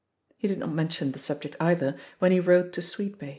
He did not mention the subject, either, when be wrote to Sweetbay.